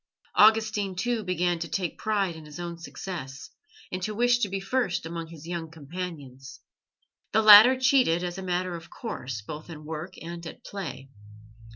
Augustine, too, began to take pride in his own success, and to wish to be first amongst his young companions. The latter cheated as a matter of course, both in work and at play.